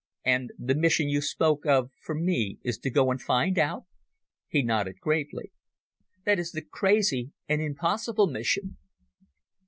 "And the mission you spoke of for me is to go and find out?" He nodded gravely. "That is the crazy and impossible mission."